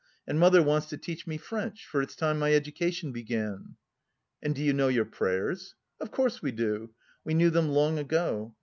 And mother wants to teach me French, for it's time my education began." "And do you know your prayers?" "Of course, we do! We knew them long ago.